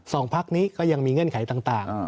สองภักดิ์นี้ก็ยังมีเงื่อนไขต่าง